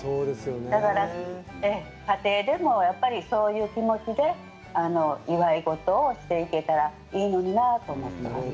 だから、家庭でもそういう気持ちで祝い事をしていけたらいいのになと思っています。